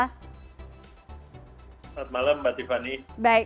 selamat malam mbak tiffany